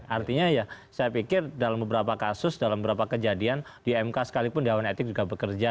artinya ya saya pikir dalam beberapa kasus dalam beberapa kejadian di mk sekalipun dewan etik juga bekerja